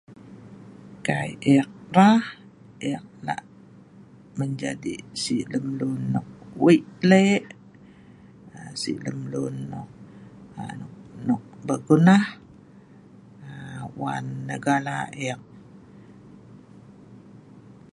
kai ek rah ek lak menjadi sik lem lun nok weik lek aa sik lem lun nok aa nok beguna aa wan negala ek